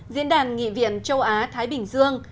diễn đàn nghị viện châu á thái bình dương